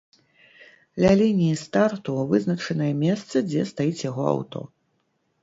Ля лініі старту вызначанае месца, дзе стаіць яго аўто.